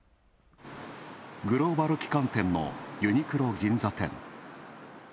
グローバル旗艦店のユニクロ銀座店。